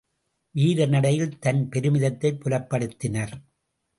வீர நடையில் தன் பெருமிதத்தைப் புலப்படுத்தினர்.